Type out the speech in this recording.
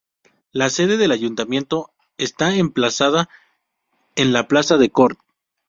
La sede del Ayuntamiento está emplazada en la Plaza de Cort.